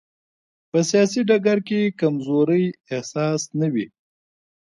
په سیاسي ډګر کې کمزورۍ احساس نه وي.